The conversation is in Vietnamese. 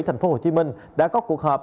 thành phố hồ chí minh đã có cuộc họp